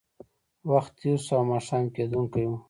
وخت تېر شو او ماښام کېدونکی و